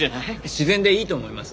自然でいいと思います。